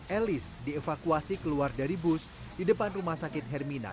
elis dievakuasi keluar dari bus di depan rumah sakit hermina